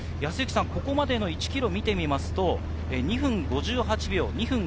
ここまでの１ｋｍを見てみると２分５８秒。